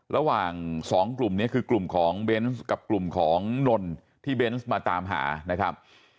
ระหว่างสองกลุ่มนี้คือกลุ่มของเบนส์กับกลุ่มของนนที่เบนส์มาตามหานะครับ